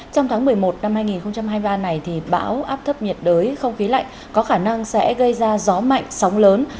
trong tháng một mươi một năm hai nghìn hai mươi ba này bão áp thấp nhiệt đới không khí lạnh có khả năng sẽ gây ra gió mạnh sóng lớn